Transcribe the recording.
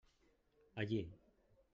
Allí!